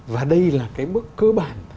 và đây là cái bước cơ bản